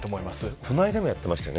この間もやってましたね